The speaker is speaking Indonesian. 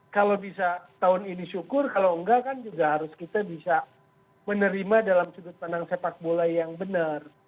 kalau bisa tahun ini syukur kalau enggak kan juga harus kita bisa menerima dalam sudut pandang sepak bola yang benar